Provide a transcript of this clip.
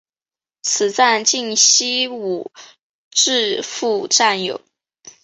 此站近西武秩父站有。